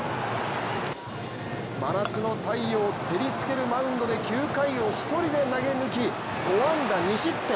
真夏の太陽照りつけるマウンドで９回を一人で投げ抜き５安打２失点。